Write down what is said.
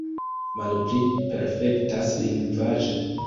Malpli perfektas lingvaĵo.